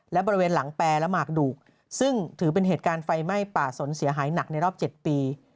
และบริเวณหลังแปรและหมากดูกซึ่งถือเป็นเหตุการณ์ไฟไหม้ป่าสนเสียหายหนักในรอบ๗ปี